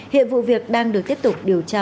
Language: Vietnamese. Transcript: hiện vụ việc đang được tiếp tục điều tra